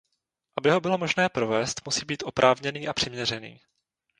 Aby ho bylo možné provést, musí být oprávněný a přiměřený.